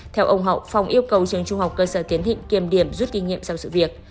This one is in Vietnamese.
theo ông hậu phòng yêu cầu trường trung học cơ sở tiến thịnh kiểm điểm rút kinh nghiệm sau sự việc